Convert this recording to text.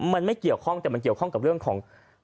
มันไม่เกี่ยวข้องแต่มันเกี่ยวข้องกับเรื่องของ